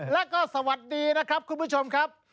แล้วก็สวัสดีนะครับคุณผู้ชมครับ